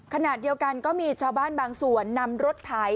ขณะเดียวกันก็มีชาวบ้านบางส่วนนำรถไถ